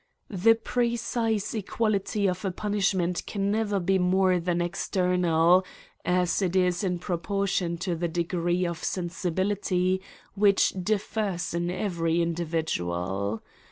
The precise e([uality of a punishment can never be more than external, as it is in proportion to the de gree of sensibility which differs in every individual.